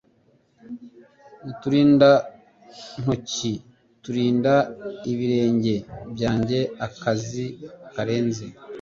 Uturindantoki turinda ibirenge byanjye akazi karenze.